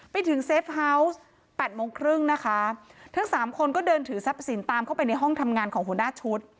ไปถึงเซฟเฮาวส์แปดโมงครึ่งนะคะทั้งสามคนก็เดินถือทรัพย์สินตามเข้าไปในห้องทำงานของหัวหน้าชุด